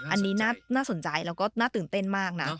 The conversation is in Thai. อันนี้น่าสนใจแล้วก็น่าตื่นเต้นมากนะ